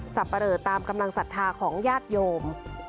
ปะเลอตามกำลังศรัทธาของญาติโยม